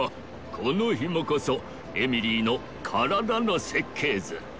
このヒモこそエミリーのカラダの設計図。